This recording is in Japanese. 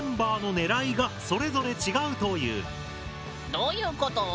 実はどういうこと？